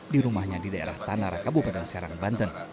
di rumahnya di daerah tanara kabupaten serang banten